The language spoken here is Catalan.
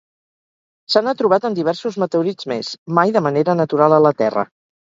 Se n'ha trobat en diversos meteorits més, mai de manera natural a la Terra.